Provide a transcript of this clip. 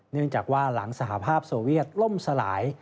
เนื่องจากว่าหลังสหภาพโซเวียตล่มสลาย